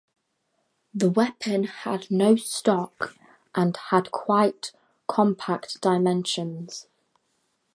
The weapon had no stock and had quite compact dimensions.